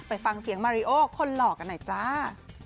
ไปฟังเสียงมาริโอคนหล่อกันหน่อยจ้า